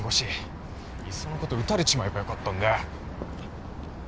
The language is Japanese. いっそのこと撃たれちまえばよかったんだよ。